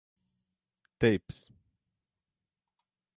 Tapes